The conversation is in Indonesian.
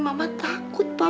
mama takut pa